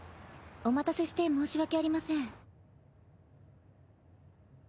お待たせして申し訳ありません。